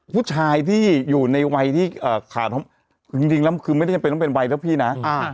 พุทธชายที่อยู่ในวัยที่ขาดท้อมจริงคือไม่ได้เป็นวัยหรอกพี่นะ